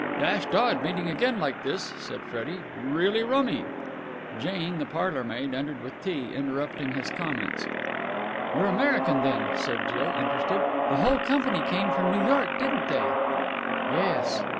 "Dashed odd meeting again like this!" said Freddie. "Really rummy!" Jane, the parlourmaid, entering with tea, interrupted his comments. "You're American, then?" said Jill interested. "The whole company came from New York, didn't they?" "Yes."